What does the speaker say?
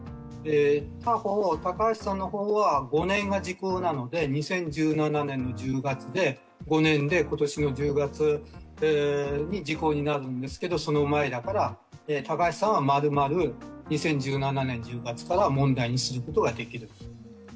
他方、高橋さんの方は５年が時効なので２０１７年の１０月で５年で、今年の１０月に時効になるんですけどその前だから、高橋さんは丸々２０１７年１０月から問題にすることができる。